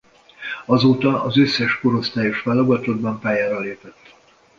Azóta az összes korosztályos válogatottban pályára lépett.